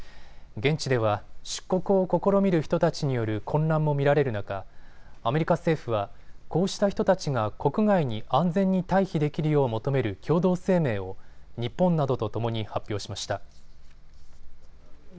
現地では出国を試みる人たちによる混乱も見られる中、アメリカ政府はこうした人たちが国外に安全に退避できるよう求める共同声明を日本などとともに発表しました。